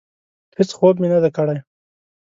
هېڅ خوب مې نه دی کړی.